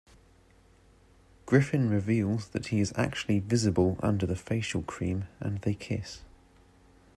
Griffin reveals that he is actually visible under the facial cream, and they kiss.